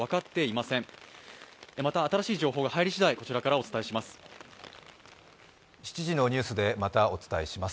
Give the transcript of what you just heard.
また、新しい情報が入り次第、こちらからお伝えします。